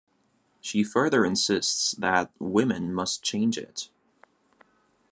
She further insists that women must change it.